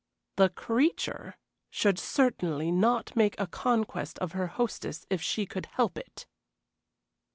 The "creature" should certainly not make a conquest of her hostess if she could help it!